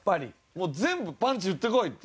もう全部パンチ打ってこいっていう。